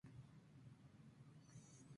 Más tarde se mudó a Nueva York.